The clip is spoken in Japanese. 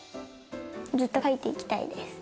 ずっと描いていきたいです。